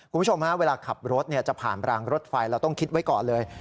คุณผู้ชมฮะเวลาขับรถจะผ่านรางรถไฟเราต้องคิดไว้ก่อนเลย